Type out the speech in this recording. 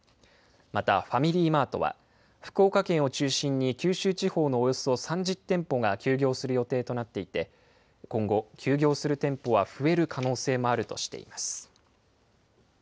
またファミリーマートは、福岡県を中心に九州地方のおよそ３０店舗が休業する予定となっていて、今後、休業する店舗は増える可能性もあるとしています。